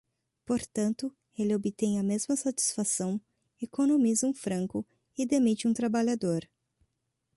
Portanto, ele obtém a mesma satisfação, economiza um franco e demite um trabalhador.